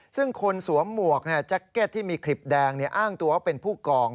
ซึ่งคนสวมหมวกแจ็คเก็ตที่มีคลิปแดงอ้างตัวว่าเป็นผู้กอง